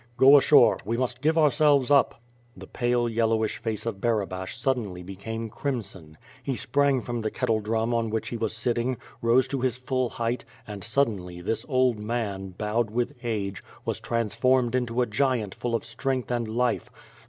"(jro ashore. We must give ourselves up." The pale, yellowish face of Barabash suddenly became crimson. He sprang from the kettle drum on which* he was sitting, rose to his full height and, suddenly, this old man, bowed with age, was transformed into a giant full of strength and life.